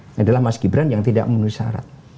ini adalah mas gibran yang tidak memenuhi syarat